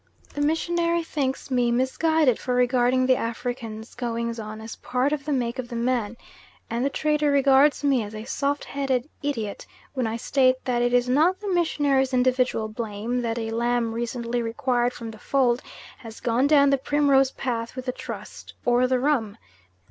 The missionary thinks me misguided for regarding the African's goings on as part of the make of the man, and the trader regards me as a soft headed idiot when I state that it is not the missionary's individual blame that a lamb recently acquired from the fold has gone down the primrose path with the trust, or the rum.